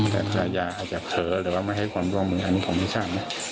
แต่ถ้ายาอาจจะเผลอหรือว่าไม่ให้ความร่วมมืออันนี้ผมไม่ทราบนะ